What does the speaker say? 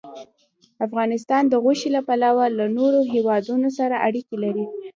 افغانستان د غوښې له پلوه له نورو هېوادونو سره اړیکې لري.